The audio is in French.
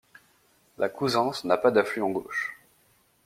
La Couzances n'a pas d'affluent gauche.